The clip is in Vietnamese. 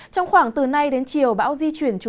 trong khoảng từ nay đến chiều bão di chuyển chủ yếu